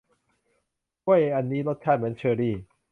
กล้วยอันนี้รสชาติเหมือนเชอร์รี่